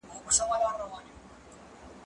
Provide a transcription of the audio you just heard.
ايا ته کتاب ليکې!.